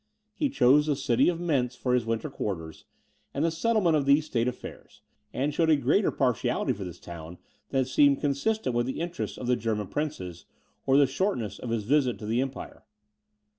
He chose the city of Mentz for his winter quarters, and the settlement of these state affairs, and showed a greater partiality for this town, than seemed consistent with the interests of the German princes, or the shortness of his visit to the Empire.